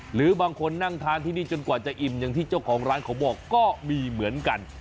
หรือบางคนนั่งทานที่นี่จนกว่าจะอิ่มอย่างที่เจ้าของร้านเขาบอกก็มีเหมือนกัน